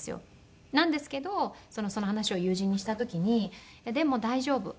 なんですけどその話を友人にした時に「でも大丈夫。